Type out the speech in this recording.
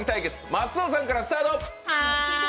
松尾さんからスタート！